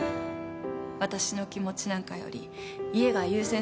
私の気持ちなんかより家が優先される。